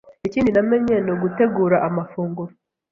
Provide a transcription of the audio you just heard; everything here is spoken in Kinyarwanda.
Ikindi namenye ni gutegura amafunguro